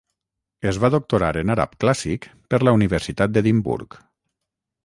Es va doctorar en àrab clàssic per la Universitat d'Edimburg.